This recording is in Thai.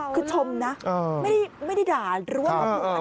คือชมนะไม่ได้ด่าร่วมหลูกอันนั้นเลยนะครับ